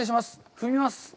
進みます。